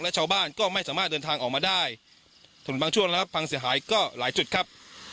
และชาวบ้านก็ไม่สามารถเดินทางออกมาได้ถนนบางช่วงแล้วพังเสียหายก็หลายจุดครับ